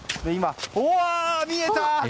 うわあ、見えた！